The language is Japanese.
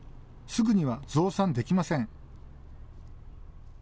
すぐには増産できません。